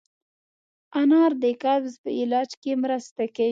انار د قبض په علاج کې مرسته کوي.